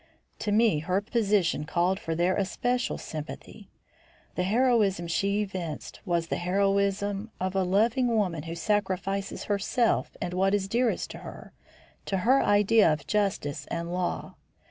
To me her position called for their especial sympathy. The heroism she evinced was the heroism of a loving woman who sacrifices herself, and what is dearest to her, to her idea of justice and law.